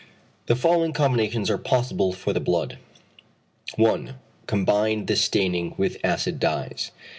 The following combinations are possible for the blood: 1. Combined staining with acid dyes.